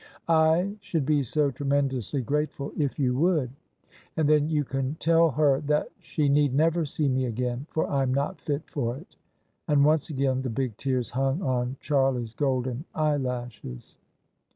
I should be so tremendously grateful if you would! And then you can just tell her that she need never see me again, for I'm not fit for it." And once again the big tears hung on Charlie's golden eyelashes.